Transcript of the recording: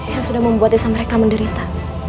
yang sudah membuat desa mereka menderita